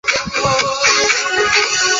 辽宁冠蛭蚓为蛭蚓科冠蛭蚓属的动物。